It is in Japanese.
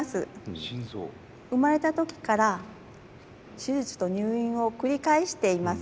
生まれた時から手術と入院を繰り返しています。